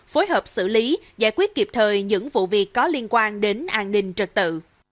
phối hợp xử lý giải quyết kịp thời những vụ việc có liên quan đến an ninh trật tự